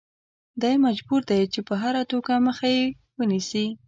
دی مجبور دی چې په هره توګه مخه یې ونیسي.